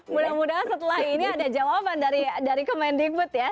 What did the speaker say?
mudah mudahan setelah ini ada jawaban dari kemendikbud ya